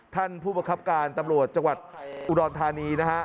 ท่านผู้ประคับการตำรวจจังหวัดอุดรธานีนะฮะ